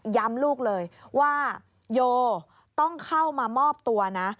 ลูกเลยว่าโยต้องเข้ามามอบตัวนะ